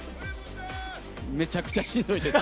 めちゃくちゃしんどいです。